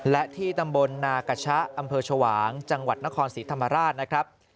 และที่ตำบลนากะชะอำเภอชวางจังหวัดนครศรีธรรมราชนะครับ